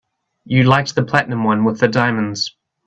You liked the platinum one with the diamonds.